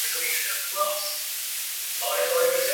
ina saidi inakuchangia zaidi mtu azeeke kabla ya umri wake